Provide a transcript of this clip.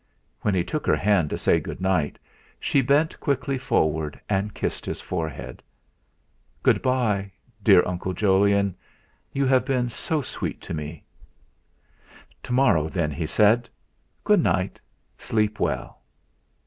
When he took her hand to say good night, she bent quickly forward and kissed his forehead. "Good bye, dear Uncle Jolyon, you have been so sweet to me." "To morrow then," he said. "Good night. Sleep well."